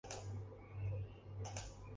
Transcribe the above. Otras siete personas resultaron heridas.